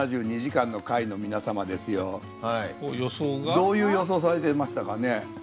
どういう予想されてましたかね？